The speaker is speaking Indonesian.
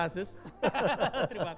kalau ada satu momen di